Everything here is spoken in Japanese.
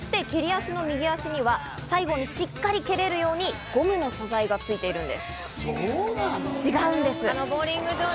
そして蹴り足の右足には最後にしっかり蹴れるように、ゴムの素材がついているんです。